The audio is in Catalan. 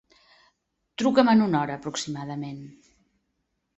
Truca'm en una hora aproximadament.